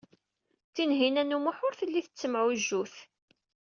Tinhinan u Muḥ ur telli tettemɛujjut.